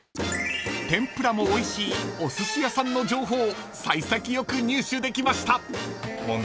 ［天ぷらもおいしいおすし屋さんの情報幸先よく入手できました］